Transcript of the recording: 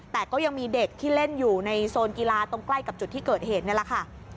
แต่ก็ยังมีเด็กที่เล่นอยู่ในโซนกีฬาตรงใกล้กับจุดที่เกิดเหตุนี่แหละค่ะ